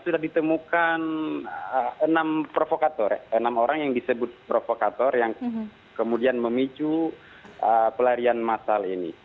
terditemukan enam orang yang disebut provokator yang kemudian memicu pelarian masal ini